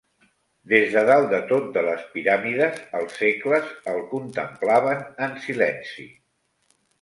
Des de dalt de tot de les Piràmides, els segles el contemplaven en silenci.